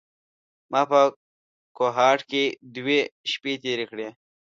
ما په کوهاټ کې دوې شپې تېرې کړې.